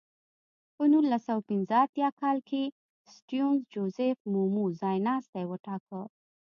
په نولس سوه پنځه اتیا کال کې سټیونز جوزیف مومو ځایناستی وټاکه.